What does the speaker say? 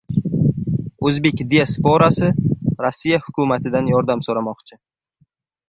O‘zbek diasporasi Rossiya hukumatidan yordam so‘ramoqchi